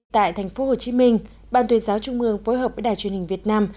tại thành phố hồ chí minh ban tuyên giáo trung mương phối hợp với đài truyền hình việt nam